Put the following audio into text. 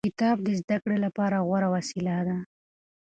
کتاب د زده کړې لپاره غوره وسیله ده.